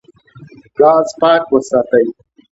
ګاز پاک وساتئ.